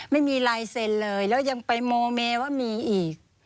ไม่มีลายเซ็นเลยแล้วยังไปโมเมว่ามีอีก